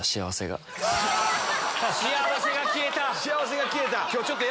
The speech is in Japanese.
幸せが消えた！